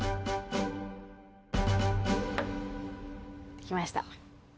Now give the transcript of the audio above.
できました。